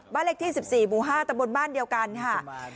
เลขที่๑๔หมู่๕ตะบนบ้านเดียวกันค่ะ